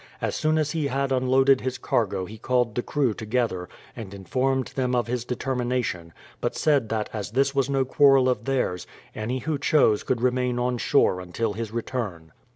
As soon as he had unloaded his cargo he called the crew together and informed them of his determination, but said that as this was no quarrel of theirs, any who chose could remain on shore until his return.